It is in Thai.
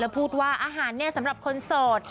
พูดว่าอาหารเนี่ยสำหรับคนโสด